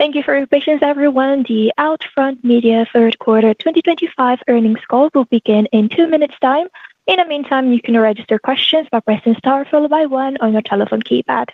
Thank you for your patience, everyone. The OUTFRONT Media Third Quarter 2025 Earnings Call will begin in two minutes time. In the meantime, you can register questions by pressing star by one on your telephone keypad.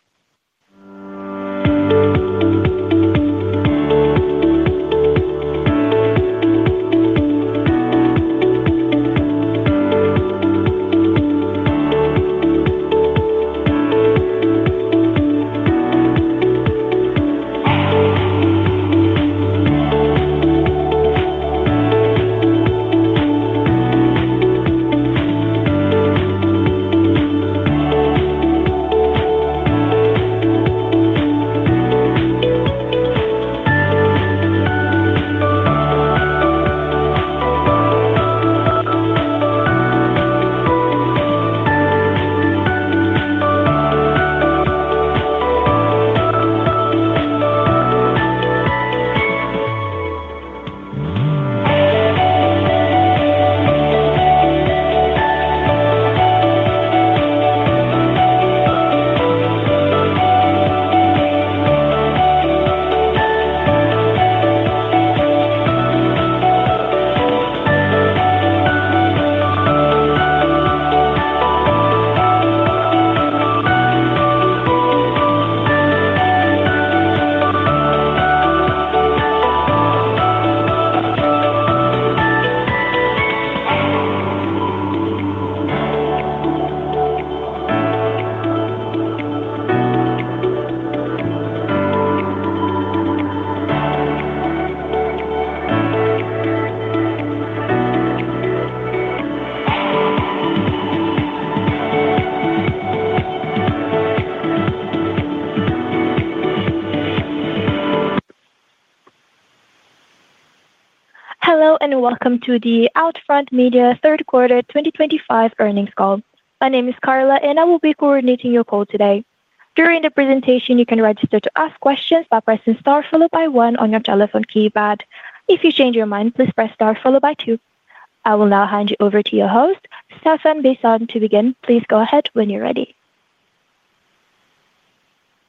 Hello and welcome to the OUTFRONT Media Third Quarter 2025 Earnings Call. My name is Carla, and I will be coordinating your call today. During the presentation, you can register to ask questions by pressing star by one on your telephone keypad. If you change your mind, please press star by two. I will now hand you over to your host, Stephan Bisson, to begin. Please go ahead when you're ready.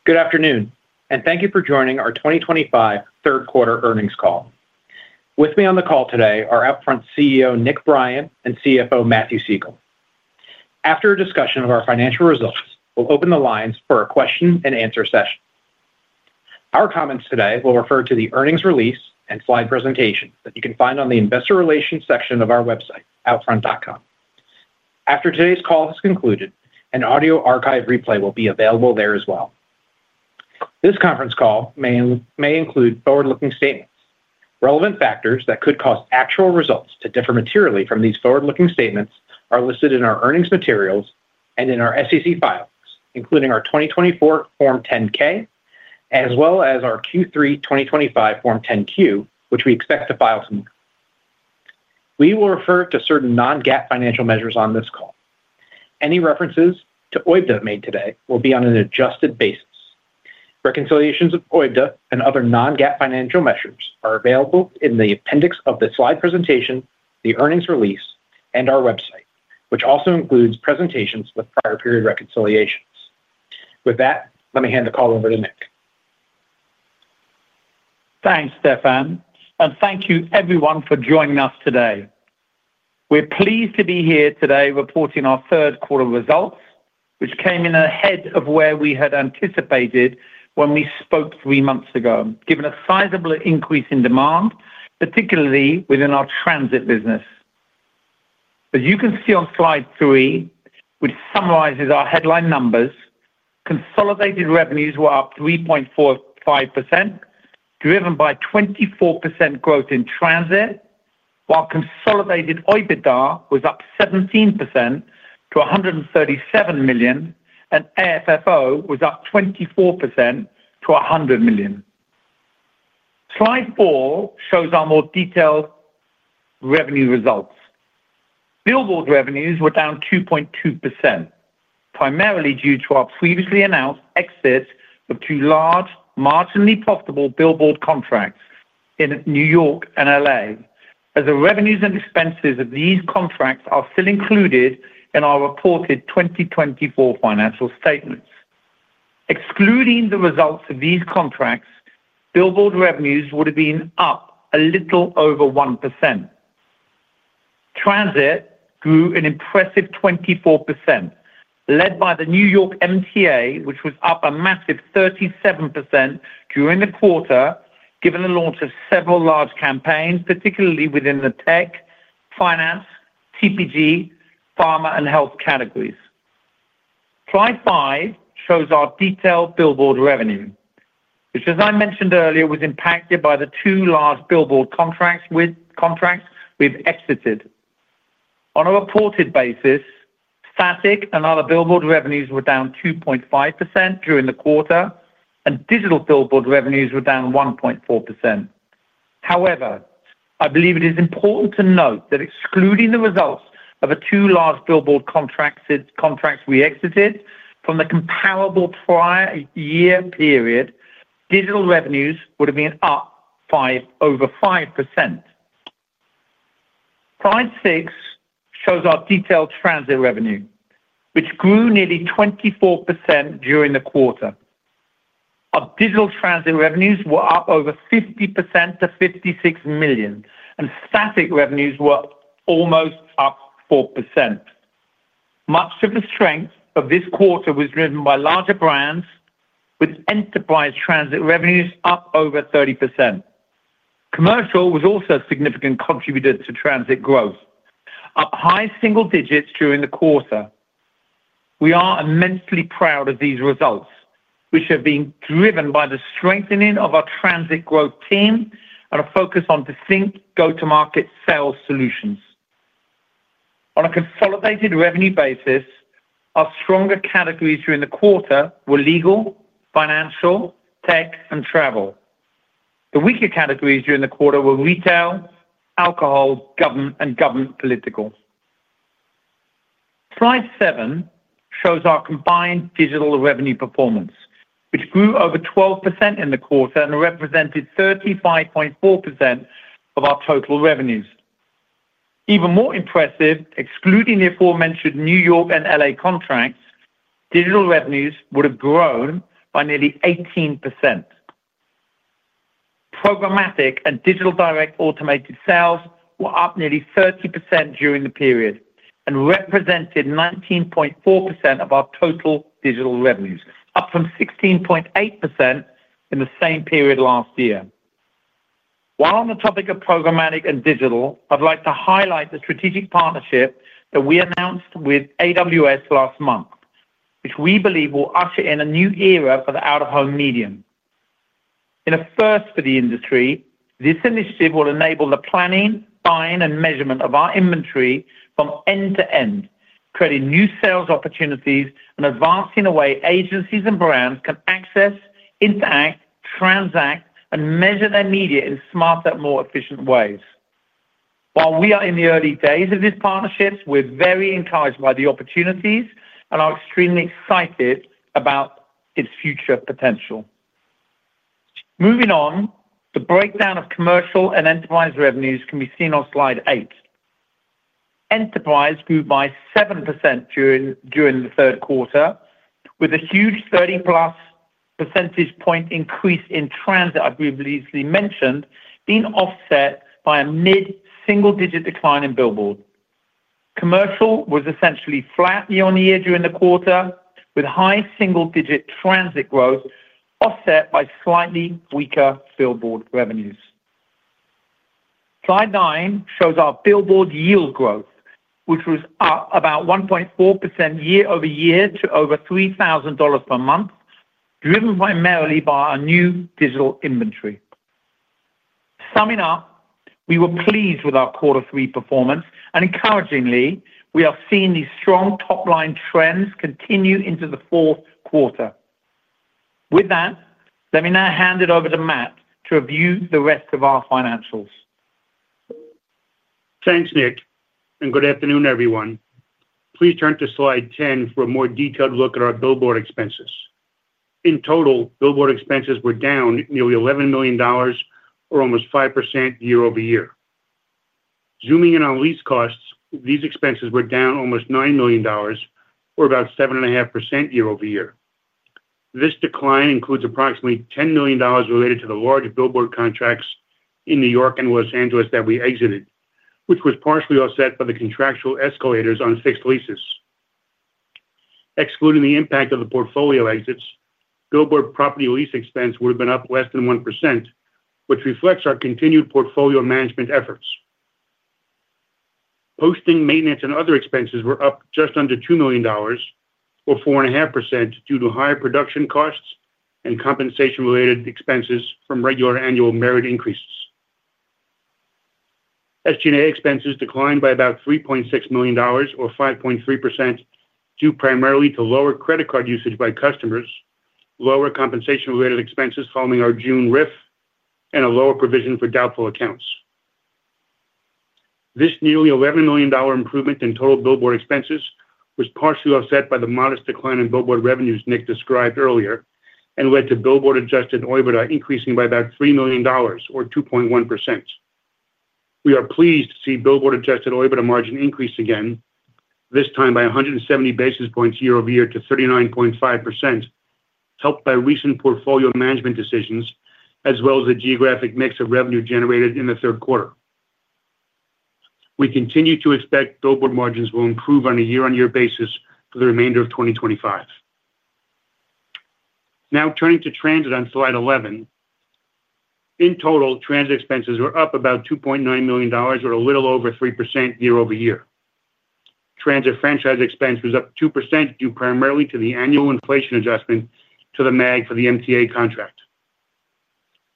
Good afternoon, and thank you for joining our 2025 third-quarter earnings call. With me on the call today are OUTFRONT CEO Nick Brien and CFO Matthew Siegel. After a discussion of our financial results, we'll open the lines for a question-and-answer session. Our comments today will refer to the earnings release and slide presentation that you can find on the Investor Relations section of our website, outfront.com. After today's call has concluded, an audio archive replay will be available there as well. This conference call may include forward-looking statements. Relevant factors that could cause actual results to differ materially from these forward-looking statements are listed in our earnings materials and in our SEC filings, including our 2024 Form 10-K, as well as our Q3 2025 Form 10-Q, which we expect to file soon. We will refer to certain non-GAAP financial measures on this call. Any references to OIBDA made today will be on an adjusted basis. Reconciliations of OIBDA and other non-GAAP financial measures are available in the appendix of the slide presentation, the earnings release, and our website, which also includes presentations with prior period reconciliations. With that, let me hand the call over to Nick. Thanks, Stephan, and thank you, everyone, for joining us today. We're pleased to be here today reporting our third-quarter results, which came in ahead of where we had anticipated when we spoke three months ago, given a sizable increase in demand, particularly within our Transit business. As you can see on slide three, which summarizes our headline numbers, consolidated revenues were up 3.45%. Driven by 24% growth in Transit, while consolidated OIBDA was up 17% to $137 million, and AFFO was up 24% to $100 million. Slide four shows our more detailed revenue results. Billboard revenues were down 2.2%, primarily due to our previously announced exits of two large, marginally profitable Billboard contracts in New York and L.A., as the revenues and expenses of these contracts are still included in our reported 2024 financial statements. Excluding the results of these contracts, Billboard revenues would have been up a little over 1%. Transit grew an impressive 24%. Led by the New York MTA, which was up a massive 37% during the quarter, given the launch of several large campaigns, particularly within the tech, finance, TPG, pharma, and health categories. Slide five shows our detailed Billboard revenue, which, as I mentioned earlier, was impacted by the two large Billboard contracts we have exited. On a reported basis, static and other Billboard revenues were down 2.5% during the quarter, and digital Billboard revenues were down 1.4%. However, I believe it is important to note that excluding the results of the two large Billboard contracts we exited from the comparable prior year period, digital revenues would have been up over 5%. Slide six shows our detailed Transit revenue, which grew nearly 24% during the quarter. Our digital Transit revenues were up over 50% to $56 million, and static revenues were almost up 4%. Much of the strength of this quarter was driven by larger brands, with enterprise Transit revenues up over 30%. Commercial was also a significant contributor to Transit growth, up high single digits during the quarter. We are immensely proud of these results, which have been driven by the strengthening of our Transit growth team and a focus on distinct go-to-market sales solutions. On a consolidated revenue basis, our stronger categories during the quarter were legal, financial, tech, and travel. The weaker categories during the quarter were retail, alcohol, and government political. Slide seven shows our combined digital revenue performance, which grew over 12% in the quarter and represented 35.4% of our total revenues. Even more impressive, excluding the aforementioned New York and L.A. contracts, digital revenues would have grown by nearly 18%. Programmatic and digital direct automated sales were up nearly 30% during the period and represented 19.4% of our total digital revenues, up from 16.8% in the same period last year. While on the topic of programmatic and digital, I'd like to highlight the strategic partnership that we announced with AWS last month, which we believe will usher in a new era for the out-of-home medium. In a first for the industry, this initiative will enable the planning, buying, and measurement of our inventory from end to end, creating new sales opportunities and advancing the way agencies and brands can access, interact, transact, and measure their media in smarter, more efficient ways. While we are in the early days of this partnership, we're very encouraged by the opportunities and are extremely excited about its future potential. Moving on, the breakdown of commercial and enterprise revenues can be seen on slide eight. Enterprise grew by 7% during the third quarter, with a huge 30+ percentage point increase in Transit, I briefly mentioned, being offset by a mid-single-digit decline in Billboard. Commercial was essentially flat year-on-year during the quarter, with high single-digit Transit growth offset by slightly weaker Billboard revenues. Slide nine shows our Billboard yield growth, which was up about 1.4% year-over-year to over $3,000 per month, driven primarily by our new digital inventory. Summing up, we were pleased with our quarter three performance, and encouragingly, we are seeing these strong top-line trends continue into the fourth quarter. With that, let me now hand it over to Matt to review the rest of our financials. Thanks, Nick, and good afternoon, everyone. Please turn to slide 10 for a more detailed look at our Billboard expenses. In total, Billboard expenses were down nearly $11 million, or almost 5% year-over-year. Zooming in on lease costs, these expenses were down almost $9 million, or about 7.5% year-over-year. This decline includes approximately $10 million related to the large Billboard contracts in New York and Los Angeles that we exited, which was partially offset by the contractual escalators on fixed leases. Excluding the impact of the portfolio exits, Billboard property lease expense would have been up less than 1%, which reflects our continued portfolio management efforts. Posting, maintenance, and other expenses were up just under $2 million, or 4.5%, due to higher production costs and compensation-related expenses from regular annual merit increases. SG&A expenses declined by about $3.6 million, or 5.3%. Due primarily to lower credit card usage by customers, lower compensation-related expenses following our June RIF, and a lower provision for doubtful accounts. This nearly $11 million improvement in total Billboard expenses was partially offset by the modest decline in Billboard revenues Nick described earlier and led to Billboard-adjusted OIBDA increasing by about $3 million, or 2.1%. We are pleased to see Billboard-adjusted OIBDA margin increase again, this time by 170 basis points year-over-year to 39.5%. Helped by recent portfolio management decisions, as well as the geographic mix of revenue generated in the third quarter. We continue to expect Billboard margins will improve on a year-on-year basis for the remainder of 2025. Now turning to Transit on slide 11. In total, Transit expenses were up about $2.9 million, or a little over 3% year-over-year. Transit franchise expense was up 2% due primarily to the annual inflation adjustment to the MAG for the MTA contract.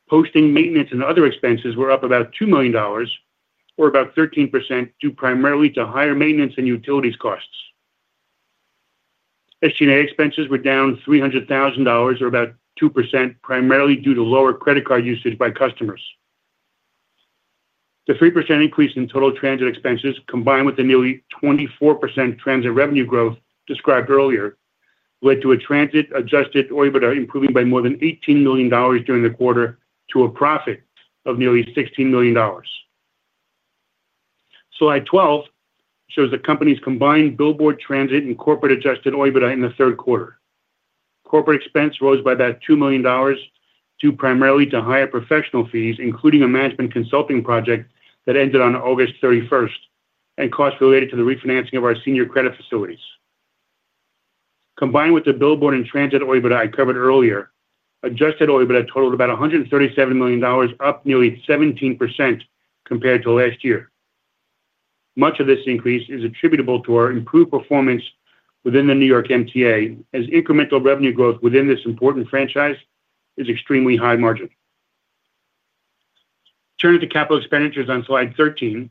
Posting, maintenance, and other expenses were up about $2 million, or about 13%, due primarily to higher maintenance and utilities costs. SG&A expenses were down $300,000, or about 2%, primarily due to lower credit card usage by customers. The 3% increase in total Transit expenses, combined with the nearly 24% Transit revenue growth described earlier, led to a Transit-adjusted OIBDA improving by more than $18 million during the quarter to a profit of nearly $16 million. Slide 12 shows the company's combined Billboard, Transit, and corporate-adjusted OIBDA in the third quarter. Corporate expense rose by about $2 million, due primarily to higher professional fees, including a management consulting project that ended on August 31st and costs related to the refinancing of our senior credit facilities. Combined with the Billboard and Transit OIBDA I covered earlier, adjusted OIBDA totaled about $137 million, up nearly 17% compared to last year. Much of this increase is attributable to our improved performance within the New York MTA, as incremental revenue growth within this important franchise is extremely high-margin. Turning to capital expenditures on slide 13.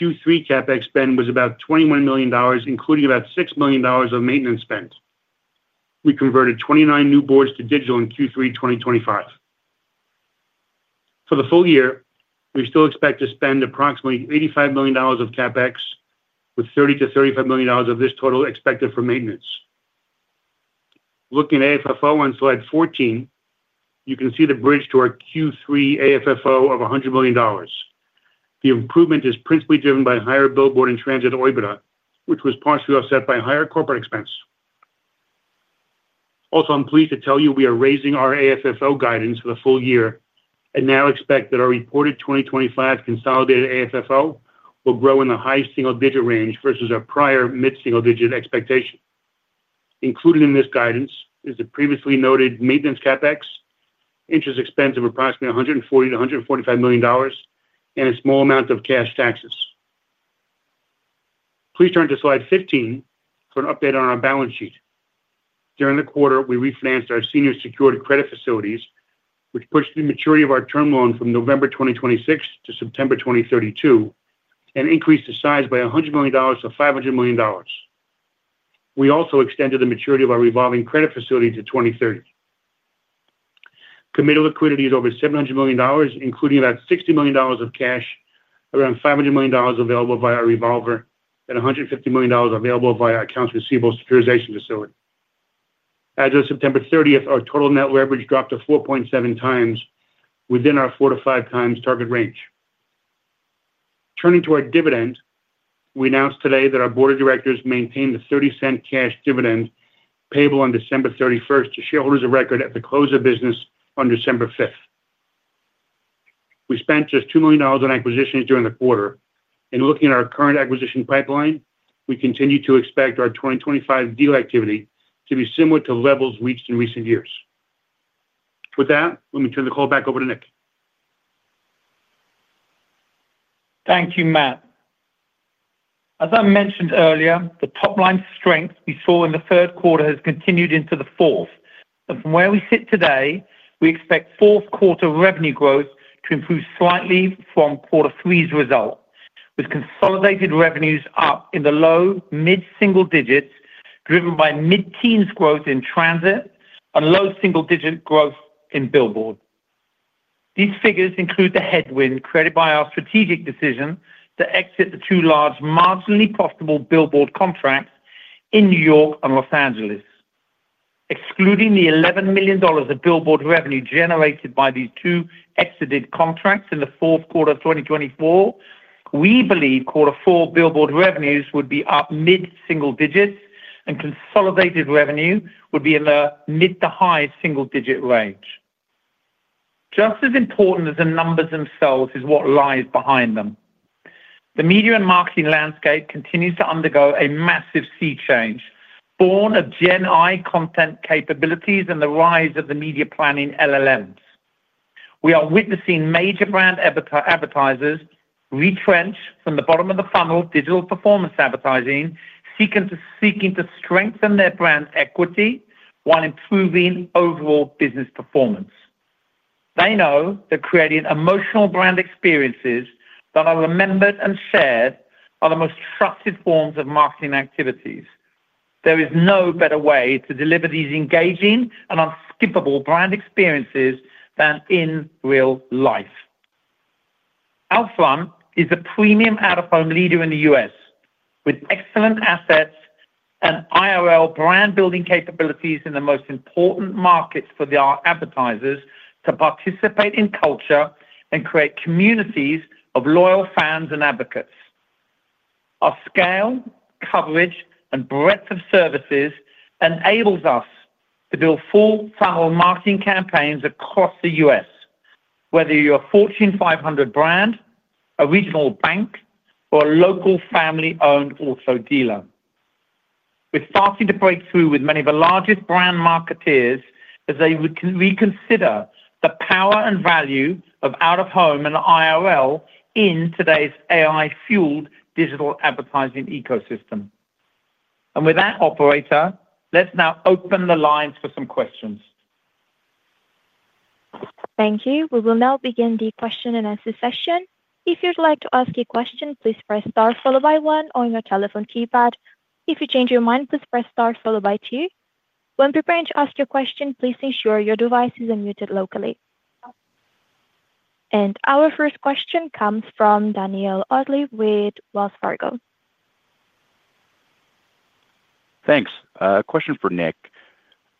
Q3 CAPEX spend was about $21 million, including about $6 million of maintenance spent. We converted 29 new boards to digital in Q3 2025. For the full year, we still expect to spend approximately $85 million of CAPEX, with $30 million-$35 million of this total expected for maintenance. Looking at AFFO on slide 14, you can see the bridge to our Q3 AFFO of $100 million. The improvement is principally driven by higher Billboard and Transit OIBDA, which was partially offset by higher corporate expense. Also, I'm pleased to tell you we are raising our AFFO guidance for the full year and now expect that our reported 2025 consolidated AFFO will grow in the high single-digit range versus our prior mid-single-digit expectation. Included in this guidance is the previously noted maintenance CAPEX, interest expense of approximately $140 million-$145 million, and a small amount of cash taxes. Please turn to slide 15 for an update on our balance sheet. During the quarter, we refinanced our senior secured credit facilities, which pushed the maturity of our term loan from November 2026 to September 2032 and increased the size by $100 million-$500 million. We also extended the maturity of our revolving credit facility to 2030. Committed liquidity is over $700 million, including about $60 million of cash, around $500 million available via our revolver, and $150 million available via our accounts receivable securitization facility. As of September 30th, our total net leverage dropped to 4.7x within our 4-5x target range. Turning to our dividend, we announced today that our board of directors maintained a $0.30 cash dividend payable on December 31st to shareholders of record at the close of business on December 5th. We spent just $2 million on acquisitions during the quarter. In looking at our current acquisition pipeline, we continue to expect our 2025 deal activity to be similar to levels reached in recent years. With that, let me turn the call back over to Nick. Thank you, Matt. As I mentioned earlier, the top-line strength we saw in the third quarter has continued into the fourth. From where we sit today, we expect fourth quarter revenue growth to improve slightly from quarter three's result, with consolidated revenues up in the low mid-single digits, driven by mid-teens growth in Transit and low single-digit growth in Billboard. These figures include the headwind created by our strategic decision to exit the two large marginally profitable Billboard contracts in New York and Los Angeles. Excluding the $11 million of Billboard revenue generated by these two exited contracts in the fourth quarter of 2024, we believe quarter four Billboard revenues would be up mid-single digits and consolidated revenue would be in the mid to high single-digit range. Just as important as the numbers themselves is what lies behind them. The media and marketing landscape continues to undergo a massive sea change, born of GenAI content capabilities and the rise of the media planning LLMs. We are witnessing major brand advertisers retrench from the bottom of the funnel of digital performance advertising, seeking to strengthen their brand equity while improving overall business performance. They know that creating emotional brand experiences that are remembered and shared are the most trusted forms of marketing activities. There is no better way to deliver these engaging and unskippable brand experiences than in real life. OUTFRONT is the premium out-of-home leader in the U.S., with excellent assets and IRL brand-building capabilities in the most important markets for our advertisers to participate in culture and create communities of loyal fans and advocates. Our scale, coverage, and breadth of services enables us to build full-funnel marketing campaigns across the U.S., whether you're a Fortune 500 brand, a regional bank, or a local family-owned auto dealer. We're starting to break through with many of the largest brand marketers as they reconsider the power and value of out-of-home and IRL in today's AI-fueled digital advertising ecosystem. With that, operator, let's now open the lines for some questions. Thank you. We will now begin the question and answer session. If you'd like to ask a question, please press star followed by one on your telephone keypad. If you change your mind, please press star followed by two. When preparing to ask your question, please ensure your device is unmuted locally. And our first question comes from Danielle Odley with Wells Fargo. Thanks. Question for Nick.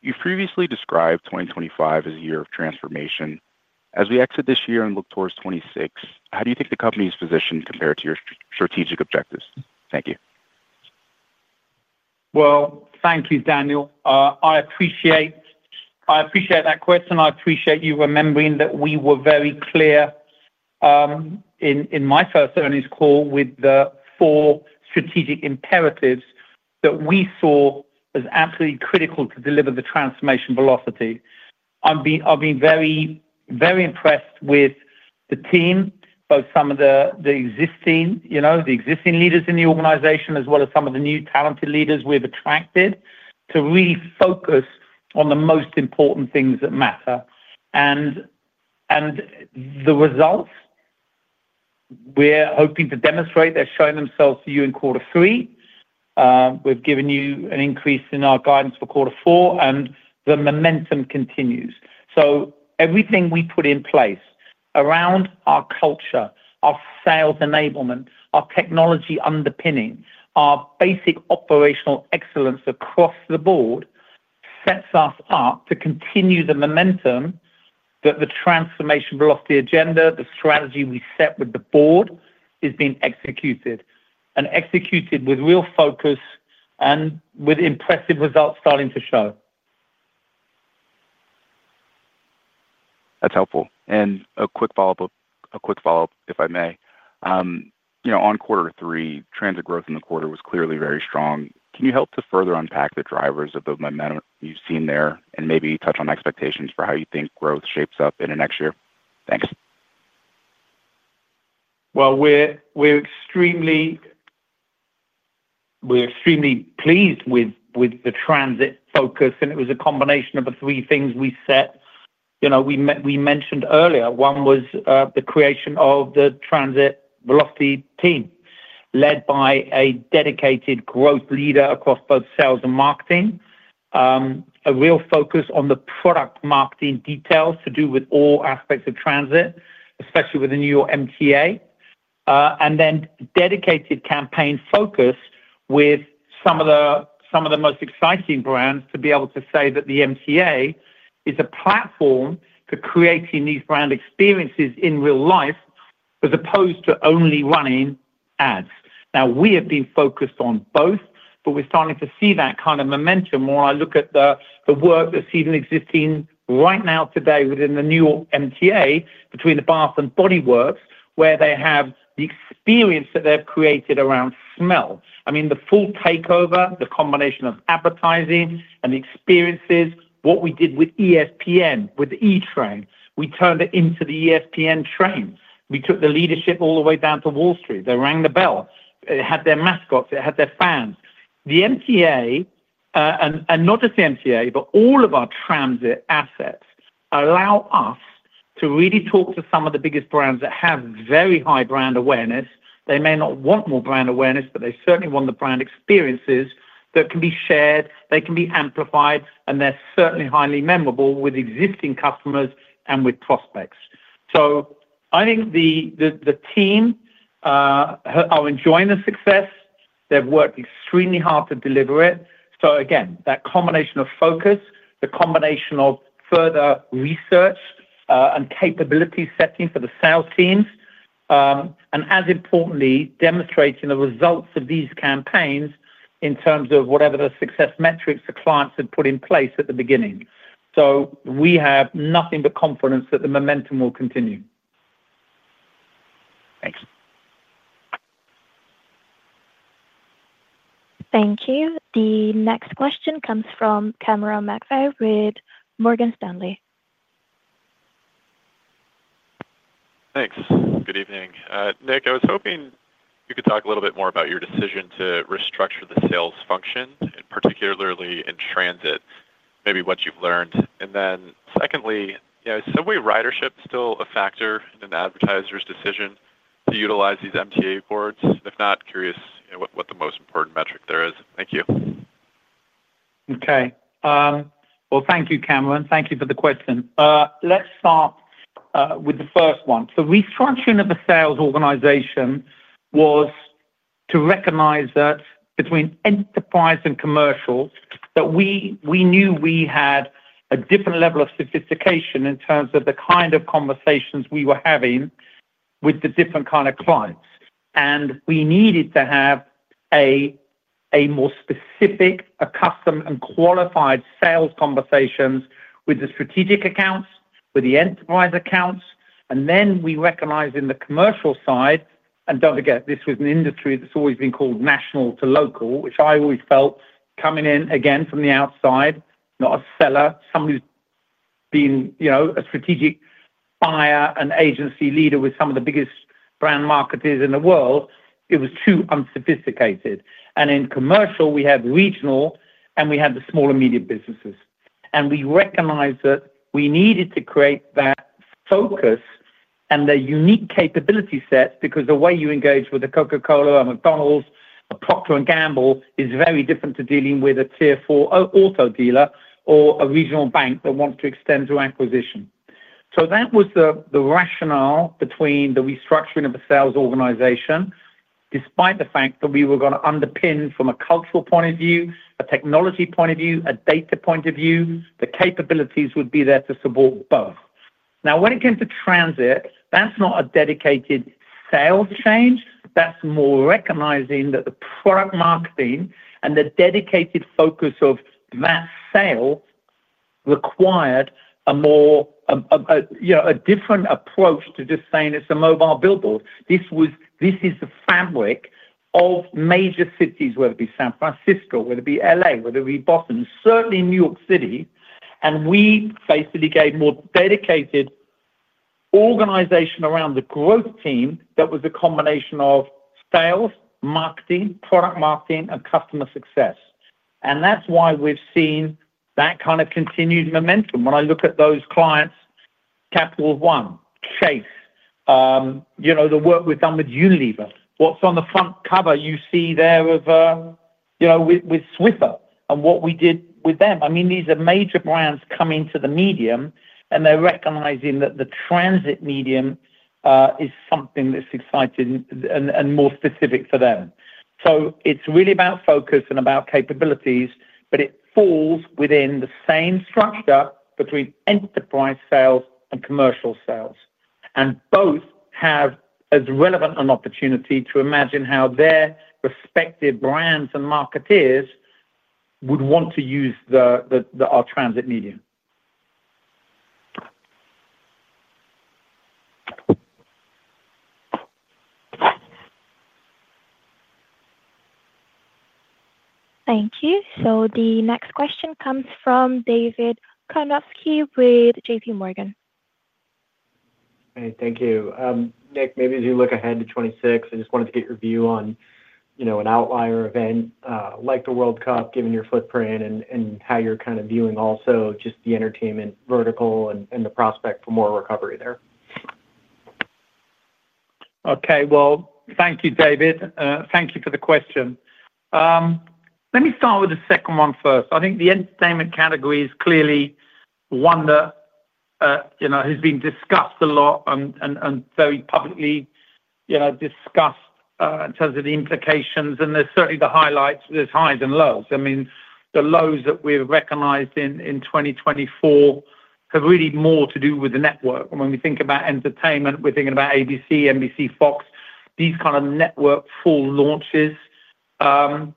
You previously described 2025 as a year of transformation. As we exit this year and look towards 2026, how do you think the company's position compared to your strategic objectives? Thank you. Thank you, Danielle. I appreciate that question. I appreciate you remembering that we were very clear in my first earnings call with the four strategic imperatives that we saw as absolutely critical to deliver the transformation velocity. I've been very impressed with the team, both some of the existing leaders in the organization as well as some of the new talented leaders we've attracted, to really focus on the most important things that matter. And the results, we're hoping to demonstrate they've shown themselves to you in quarter three. We've given you an increase in our guidance for quarter four, and the momentum continues. So everything we put in place around our culture, our sales enablement, our technology underpinning, our basic operational excellence across the board sets us up to continue the momentum that the transformation velocity agenda, the strategy we set with the board, is being executed and executed with real focus and with impressive results starting to show. That's helpful. A quick follow-up, if I may. On quarter three, Transit growth in the quarter was clearly very strong. Can you help to further unpack the drivers of the momentum you've seen there and maybe touch on expectations for how you think growth shapes up in the next year? Thanks. Well we're extremely pleased with the Transit focus, and it was a combination of the three things we set. We mentioned earlier, one was the creation of the Transit velocity team led by a dedicated growth leader across both sales and marketing. A real focus on the product marketing details to do with all aspects of Transit, especially with the New York MTA. Then dedicated campaign focus with some of the most exciting brands to be able to say that the MTA is a platform for creating these brand experiences in real life as opposed to only running ads. Now, we have been focused on both, but we're starting to see that kind of momentum when I look at the work that's even existing right now today within the New York MTA between the Bath & Body Works, where they have the experience that they've created around smell. I mean, the full takeover, the combination of advertising and the experiences, what we did with ESPN, with the E-train. We turned it into the ESPN train. We took the leadership all the way down to Wall Street. They rang the bell. It had their mascots. It had their fans. The MTA. And not just the MTA, but all of our Transit assets allow us to really talk to some of the biggest brands that have very high brand awareness. They may not want more brand awareness, but they certainly want the brand experiences that can be shared. They can be amplified, and they're certainly highly memorable with existing customers and with prospects. So I think the team are enjoying the success. They've worked extremely hard to deliver it. So again, that combination of focus, the combination of further research and capability setting for the sales teams. And as importantly, demonstrating the results of these campaigns in terms of whatever the success metrics the clients had put in place at the beginning. We have nothing but confidence that the momentum will continue. Thanks. Thank you. The next question comes from Cameron McVeigh with Morgan Stanley. Thanks. Good evening. Nick, I was hoping you could talk a little bit more about your decision to restructure the sales function, particularly in Transit, maybe what you've learned. Then secondly, is subway ridership still a factor in an advertiser's decision to utilize these MTA boards? If not, curious what the most important metric there is. Thank you. Okay. Thank you, Cameron. Thank you for the question. Let's start with the first one. The restructuring of the sales organization was to recognize that between enterprise and commercial, that we knew we had a different level of sophistication in terms of the kind of conversations we were having with the different kind of clients. And we needed to have more specific, accustomed, and qualified sales conversations with the strategic accounts, with the enterprise accounts. We recognized in the commercial side, and do not forget, this was an industry that's always been called national to local, which I always felt coming in again from the outside, not a seller, somebody who's been a strategic buyer and agency leader with some of the biggest brand marketers in the world, it was too unsophisticated. And in commercial, we had regional, and we had the small and medium businesses. And we recognized that we needed to create that focus and their unique capability sets because the way you engage with a Coca-Cola or McDonald's, a Procter & Gamble is very different to dealing with a tier four auto dealer or a regional bank that wants to extend to acquisition. That was the rationale between the restructuring of the sales organization, despite the fact that we were going to underpin from a cultural point of view, a technology point of view, a data point of view. The capabilities would be there to support both. Now, when it came to Transit, that's not a dedicated sales change. That's more recognizing that the product marketing and the dedicated focus of that sale required a different approach to just saying it's a mobile Billboard. This is the fabric of major cities, whether it be San Francisco, whether it be Los Angeles, whether it be Boston, certainly New York City. And we basically gave more dedicated organization around the growth team that was a combination of sales, marketing, product marketing, and customer success. And that's why we have seen that kind of continued momentum. When I look at those clients, Capital One, Chase, the work we have done with Unilever, what is on the front cover you see there with Swiffer and what we did with them. I mean, these are major brands coming to the medium, and they are recognizing that the Transit medium is something that is exciting and more specific for them. It is really about focus and about capabilities, but it falls within the same structure between enterprise sales and commercial sales. And both have as relevant an opportunity to imagine how their respective brands and marketers would want to use our Transit media. Thank you. So the next question comes from David Karnovsky with JPMorgan. Thank you. Nick, maybe as you look ahead to 2026, I just wanted to get your view on an outlier event like the World Cup, given your footprint and how you're kind of viewing also just the entertainment vertical and the prospect for more recovery there. Okay. Well thank you, David. Thank you for the question. Let me start with the second one first. I think the entertainment category is clearly one that has been discussed a lot and very publicly. Discussed in terms of the implications, and there's certainly the highlights. There's highs and lows. I mean, the lows that we've recognized in 2024 have really more to do with the network. When we think about entertainment, we're thinking about ABC, NBC, Fox, these kind of network full launches. They're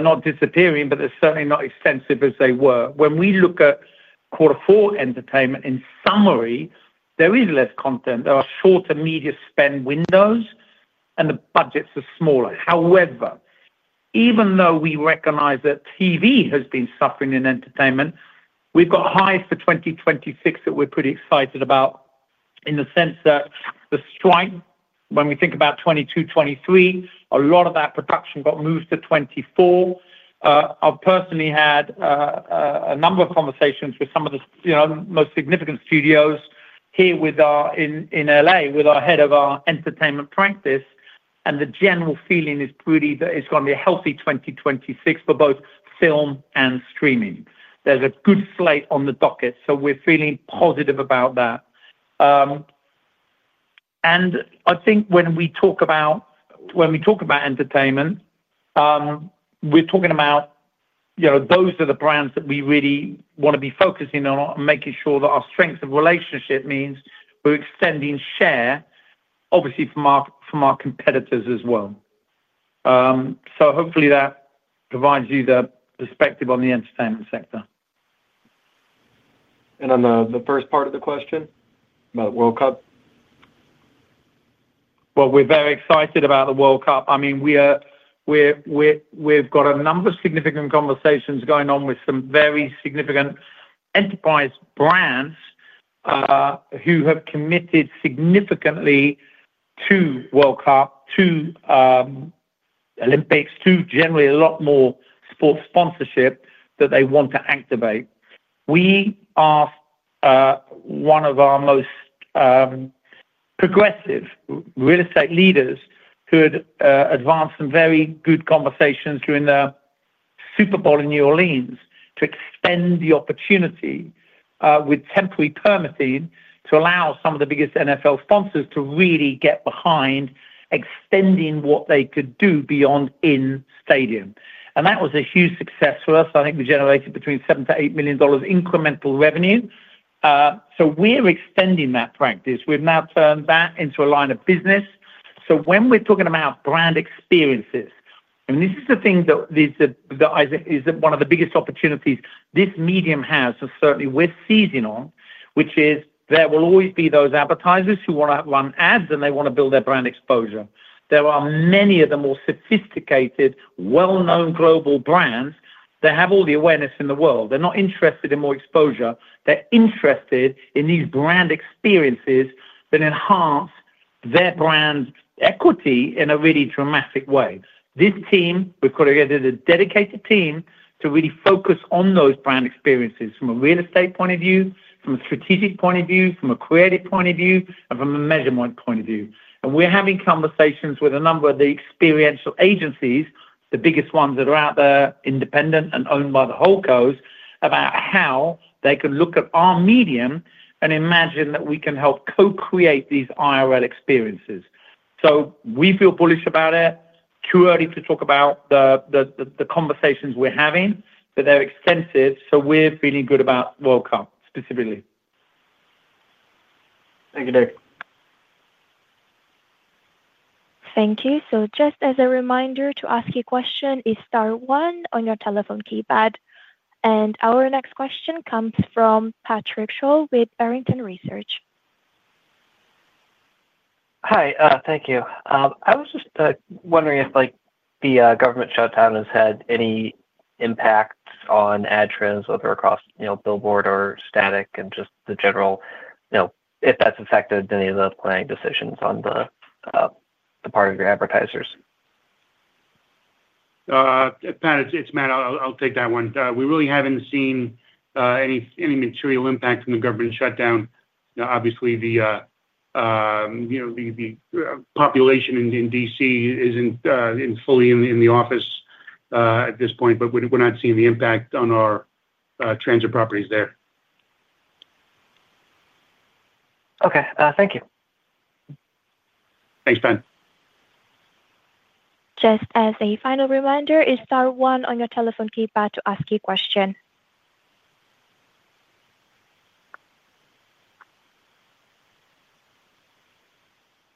not disappearing, but they're certainly not as extensive as they were. When we look at quarter four entertainment, in summary, there is less content. There are shorter media spend windows, and the budgets are smaller. However, even though we recognize that TV has been suffering in entertainment, we've got highs for 2026 that we're pretty excited about. In the sense that the strike, when we think about 2022, 2023, a lot of that production got moved to 2024. I've personally had a number of conversations with some of the most significant studios here in L.A. with our head of our entertainment practice, and the general feeling is really that it's going to be a healthy 2026 for both film and streaming. There's a good slate on the docket, so we're feeling positive about that. And I think when we talk about when we talk about entertainment, we're talking about those are the brands that we really want to be focusing on and making sure that our strength of relationship means we're extending share, obviously, from our competitors as well. So hopefully, that provides you the perspective on the entertainment sector. And on the first part of the question about the World Cup? We're very excited about the World Cup. I mean, we've got a number of significant conversations going on with some very significant enterprise brands who have committed significantly to World Cup, to Olympics, to generally a lot more sports sponsorship that they want to activate. We asked one of our most progressive real estate leaders who had advanced some very good conversations during the Super Bowl in New Orleans to extend the opportunity with temporary permitting to allow some of the biggest NFL sponsors to really get behind extending what they could do beyond in stadium. That was a huge success for us. I think we generated between $7 million-$8 million incremental revenue. We're extending that practice. We've now turned that into a line of business. And when we're talking about brand experiences, and this is the thing that. Is one of the biggest opportunities this medium has, and certainly we're seizing on, which is there will always be those advertisers who want to run ads and they want to build their brand exposure. There are many of the more sophisticated, well-known global brands that have all the awareness in the world. They're not interested in more exposure. They're interested in these brand experiences that enhance their brand equity in a really dramatic way. This team, we've got to get a dedicated team to really focus on those brand experiences from a real estate point of view, from a strategic point of view, from a creative point of view, and from a measurement point of view. We're having conversations with a number of the experiential agencies, the biggest ones that are out there, independent and owned by the whole coast, about how they could look at our medium and imagine that we can help co-create these IRL experiences. We feel bullish about it. Too early to talk about the conversations we're having, but they're extensive. We're feeling good about World Cup specifically. Thank you, Nick. Thank you. Just as a reminder, to ask a question is star one on your telephone keypad. And our next question comes from Patrick Sholl with Barrington Research. Hi. Thank you. I was just wondering if the government shutdown has had any impact on ad trends, whether across Billboard or static, and just the general, if that's affected any of the planning decisions on the part of your advertisers? Pat, it's Matt. I'll take that one. We really haven't seen any material impact from the government shutdown. Obviously, the population in D.C. isn't fully in the office at this point, but we're not seeing the impact on our Transit properties there. Okay. Thank you. Thanks, Pat. Just as a final reminder, it is star one on your telephone keypad to ask a question.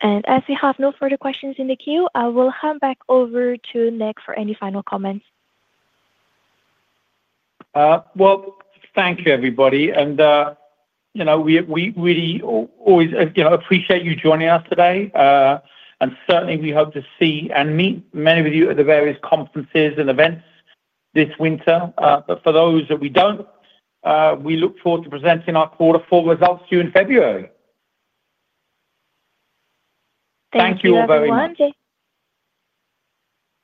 As we have no further questions in the queue, I will hand back over to Nick for any final comments. Thank you, everybody. And we really always appreciate you joining us today. We certainly hope to see and meet many of you at the various conferences and events this winter. For those that we do not, we look forward to presenting our quarter four results to you in February. Thank you all very much.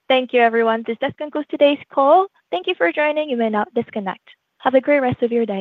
Thank you, everyone. This does conclude today's call. Thank you for joining. You may now disconnect. Have a great rest of your day.